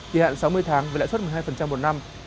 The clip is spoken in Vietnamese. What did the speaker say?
kỳ hạn sáu mươi tháng với lãi suất một mươi hai một năm